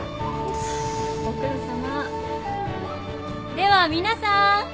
では皆さん！